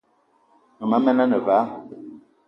Mema men ane vala,